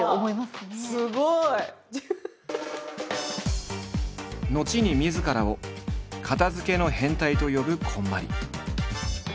すごい！後にみずからを「片づけの変態」と呼ぶこんまり。